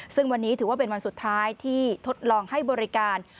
ซึ่งวันนี้ถือว่าเป็นวันสุดท้ายที่ทดลองให้บริการ